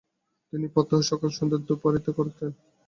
তিনি প্রত্যহ সকাল ও সন্ধ্যায় ধূপারতি করতেন।